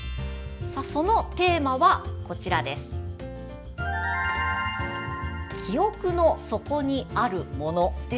そのテーマは「記憶の底にあるもの」です。